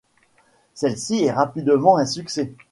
Celle-ci est rapidement un succès.